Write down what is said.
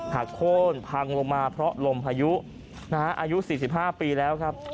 โค้นพังลงมาเพราะลมพายุอายุ๔๕ปีแล้วครับ